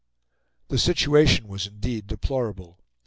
The situation was indeed deplorable.